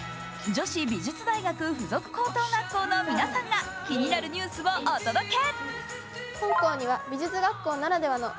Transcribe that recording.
女子美術大学付属高等学校の皆さんが気になるニュースをお届け。